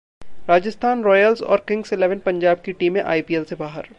Rajasthan Royals और Kings Eleven Punjab की टीमें आईपीएल से बाहर